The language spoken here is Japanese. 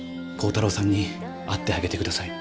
耕太郎さんに会ってあげて下さい。